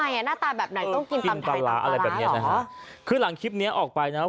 อ่ะหน้าตาแบบไหนต้องกินตำปลาร้าอะไรแบบเนี้ยนะฮะคือหลังคลิปเนี้ยออกไปนะครับ